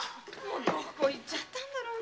どこ行ったんだろうね。